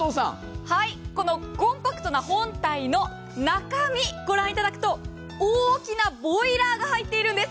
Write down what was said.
このコンパクトな本体の中身ご覧いただくと、大きなボイラーが入っているんです。